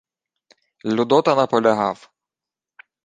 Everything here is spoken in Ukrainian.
Людота наполягав: